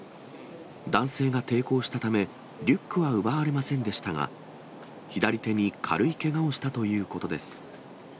男性が抵抗したため、リュックは奪われませんでしたが、左手に軽いけがをしたということです。